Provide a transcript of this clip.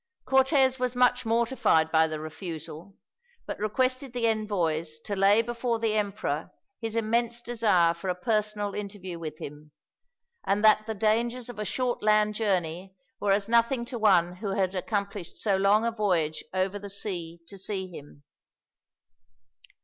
Cortez was much mortified by the refusal, but requested the envoys to lay before the emperor his immense desire for a personal interview with him, and that the dangers of a short land journey were as nothing to one who had accomplished so long a voyage over the sea to see him.